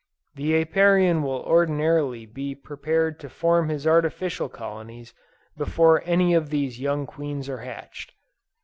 The Apiarian will ordinarily be prepared to form his artificial colonies before any of these young queens are hatched.